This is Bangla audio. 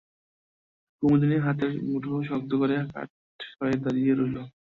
কুমুদিনী হাতের মুঠো শক্ত করে কাঠ হয়ে দাঁড়িয়ে রইল।